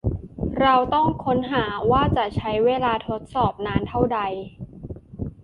เราต้องค้นหาว่าจะใช้เวลาทดสอบนานเท่าใด